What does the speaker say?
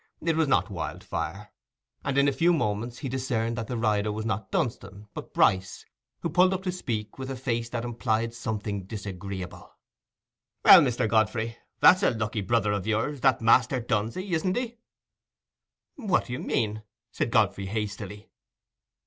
It was not Wildfire; and in a few moments more he discerned that the rider was not Dunstan, but Bryce, who pulled up to speak, with a face that implied something disagreeable. "Well, Mr. Godfrey, that's a lucky brother of yours, that Master Dunsey, isn't he?" "What do you mean?" said Godfrey, hastily.